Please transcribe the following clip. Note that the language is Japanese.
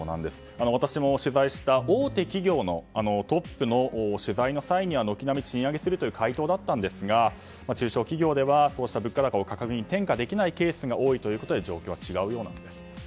私も取材した大手企業のトップの取材の際には軒並み賃上げするという回答だったんですが中小企業ではそうした物価高を転嫁できないケースが多いということで状況は違うようなんです。